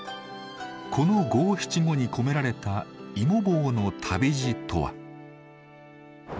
この五七五に込められたいもぼうの旅路とは。